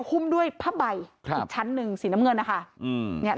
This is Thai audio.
หุ้มด้วยผ้าใบอีกชั้นหนึ่งสีน้ำเงินนะคะ